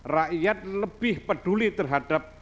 rakyat lebih peduli terhadap